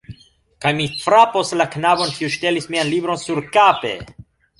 Kaj mi frapos la knabon kiu ŝtelis mian libron surkape